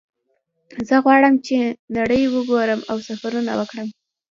زه غواړم چې نړۍ وګورم او سفرونه وکړم